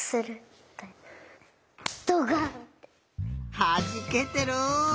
はじけてる！